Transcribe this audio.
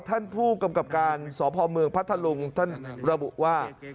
ท่านผู้กำกับการสพเมืองพัทธลุงท่านระบุว่า